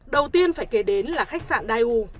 đầu tiên phải kể đến là khách sạn dai u